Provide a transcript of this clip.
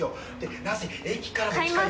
なんせ駅からも近い。